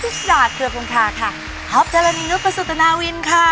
กุฏราคือกลุงค้าค่ะครอบจารณีนุภสุตนาวินค่ะ